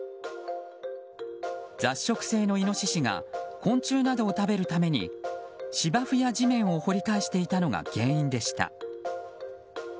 雑食性のイノシシが昆虫などを食べるために芝生や地面を掘り返していたのが原因でした。